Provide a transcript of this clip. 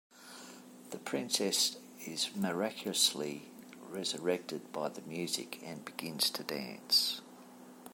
The princess is miraculously resurrected by the music, and begins to dance.